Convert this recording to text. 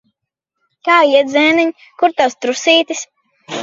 Kā iet, zēniņ? Kur tavs trusītis?